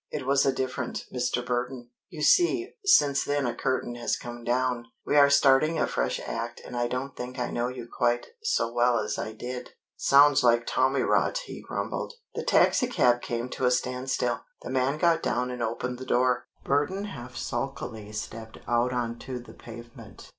"It was a different Mr. Burton. You see, since then a curtain has come down. We are starting a fresh act and I don't think I know you quite so well as I did." "Sounds like tommyrot," he grumbled. The taxicab came to a standstill. The man got down and opened the door. Burton half sulkily stepped out on to the pavement.